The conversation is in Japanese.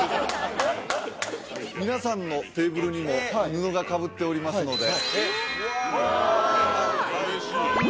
皆さんのテーブルにも布がかぶっておりますのでうわかわいい！